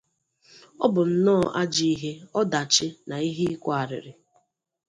Ọ bụ nnọọ ajọ ihe ọdachi na ihe ịkwa arịrị